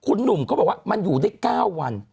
คุณหนุ่มเขาบอกว่ามันอยู่ได้๙วัน